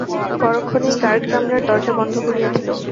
পরক্ষণেই গার্ড কামরার দরজা বন্ধ করিয়া দিল।